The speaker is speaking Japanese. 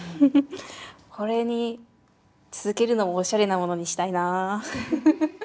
これに続けるのもおしゃれなものにしたいな。